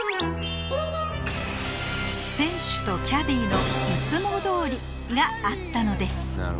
選手とキャディーの「いつもどおり」があったのです